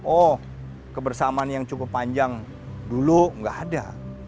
oh kebersamaan yang cukup panjang dulu nggak ada